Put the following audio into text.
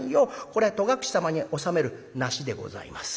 これは戸隠様に納める梨でございます」。